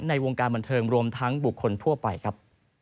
ในวงการบันเทิงรวมทั้งบุคคลทั่วไปครับ